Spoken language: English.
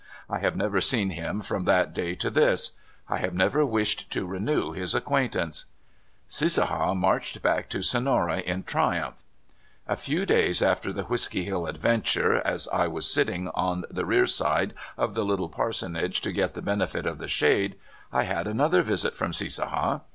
I have never seen him from that day to this. I have never wished to renew his acquaintance. Cissaha marched back to Sonora in triumph. CISSAHA. 17 A few days after the Whisky Hill adventure, as I was sitting on the rear side of the little parson age to get the benefit of the shade, I had another visit from Cissaha.